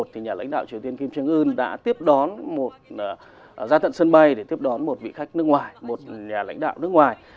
nhà lãnh đạo triều tiên kim trương ưn đã tiếp đón ra tận sân bay để tiếp đón một vị khách nước ngoài một nhà lãnh đạo nước ngoài